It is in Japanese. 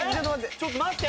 ちょっと待って！